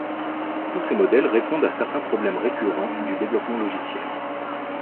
Tous ces modèles répondent à certains problèmes récurrents du développement logiciel.